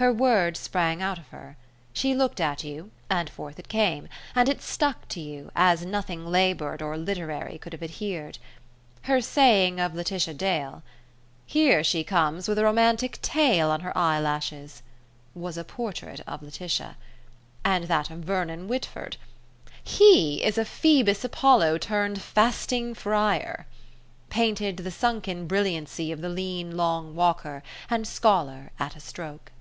Her word sprang out of her. She looked at you, and forth it came: and it stuck to you, as nothing laboured or literary could have adhered. Her saying of Laetitia Dale: "Here she comes with a romantic tale on her eyelashes," was a portrait of Laetitia. And that of Vernon Whitford: "He is a Phoebus Apollo turned fasting friar," painted the sunken brilliancy of the lean long walker and scholar at a stroke.